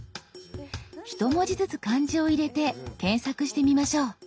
一文字ずつ漢字を入れて検索してみましょう。